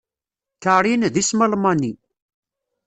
Karin d isem almani.